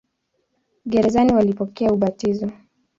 Gerezani walipokea ubatizo.